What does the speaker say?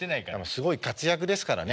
すごい活躍ですからね